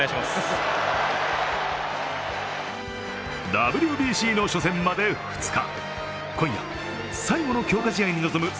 ＷＢＣの初戦まで２日。